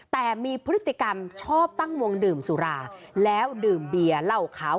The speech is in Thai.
แต่มีพฤติกรรมชอบตั้งวงดื่มสุราแล้วดื่มเบียร์เหล้าขาว